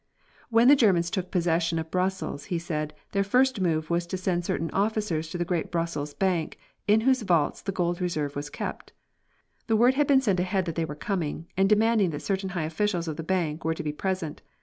When the Germans took possession of Brussels, he said, their first move was to send certain officers to the great Brussels Bank, in whose vaults the gold reserve was kept. The word had been sent ahead that they were coming, and demanding that certain high officials of the bank were to be present.